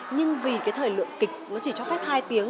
nhưng vì cái thời lượng kịch nó chỉ cho phép hai tiếng